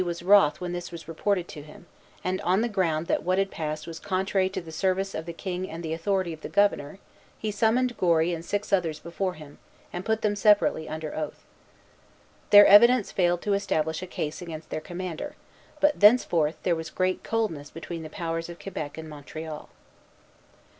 Montmagny was wroth when this was reported to him; and, on the ground that what had passed was "contrary to the service of the King and the authority of the Governor," he summoned Gory and six others before him, and put them separately under oath. Their evidence failed to establish a case against their commander; but thenceforth there was great coldness between the powers of Quebec and Montreal.